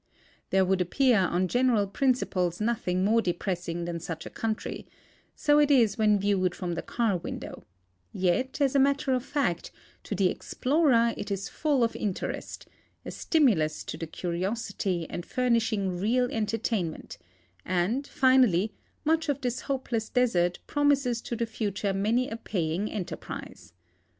There would appear on general principles nothing more depressing than such a country ; so it is when viewed from the car window ; yet, as a matter of fact, to the explorer it is full of interest, a stimulus to the curiosity and furnishing real entertainment; and, finally, much of this hopeless desert promises to the future many a paying enterprise.